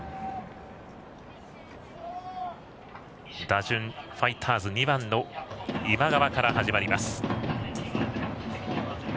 打順、ファイターズ２番の今川から始まります。